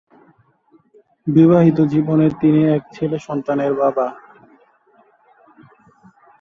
বিবাহিত জীবনে তিনি এক ছেলে সন্তানের বাবা।